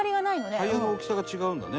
「タイヤの大きさが違うんだね